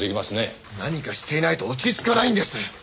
何かしていないと落ち着かないんです！